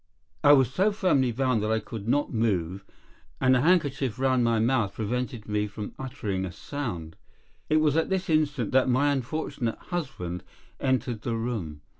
I was so firmly bound that I could not move, and a handkerchief round my mouth prevented me from uttering a sound. It was at this instant that my unfortunate husband entered the room.